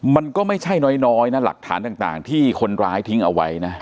มันก็ไม่ใช่น้อยนะหลักฐานต่างที่คนร้ายทิ้งเอาไว้นะ